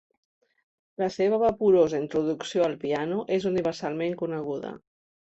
La seva vaporosa introducció al piano és universalment coneguda.